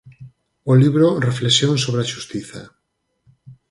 O libro Reflexións sobre a xustiza.